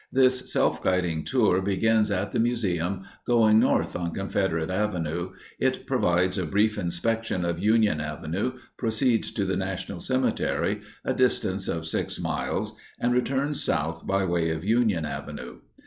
This self guiding tour begins at the museum, going north on Confederate Avenue. It provides a brief inspection of Union Avenue, proceeds to the national cemetery, a distance of 6 miles, and returns south by way of Union Avenue.